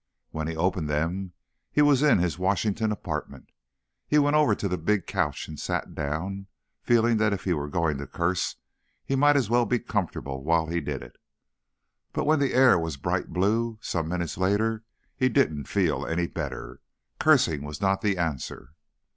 When he opened them, he was in his Washington apartment. He went over to the big couch and sat down, feeling that if he were going to curse he might as well be comfortable while he did it. But when the air was bright blue, some minutes later, he didn't feel any better. Cursing was not the answer.